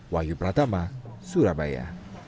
wahyu pratama surabaya